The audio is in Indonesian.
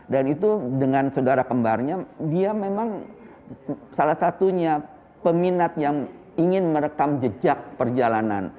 dan itu dengan saudara kembarnya dia memang salah satunya peminat yang ingin merekam jejak perjalanan